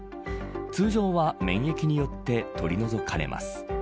通常は、免疫によって取り除かれます。